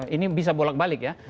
ini bisa bolak balik ya